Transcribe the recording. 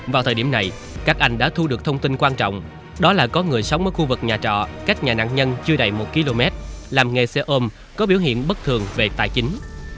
vào thời điểm này các anh đã thu được thông tin quan trọng đó là có người sống ở khu vực nhà trọ cách nhà nạn nhân chưa đầy một km làm nghề xe ôm có biểu hiện bất thường về tài chính